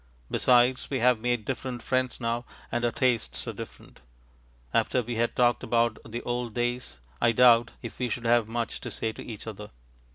Besides, we have made different friends now, and our tastes are different. After we had talked about the old days, I doubt if we should have much to say to each other.